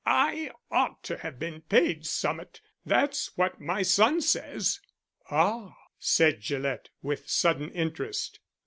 "I ought to have been paid some'et. That's what my son says." "Ah!" said Gillett, with sudden interest.